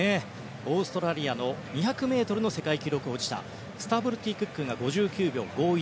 オーストラリアの２００ｍの世界記録保持者スタブルティ・クックが５９秒５１。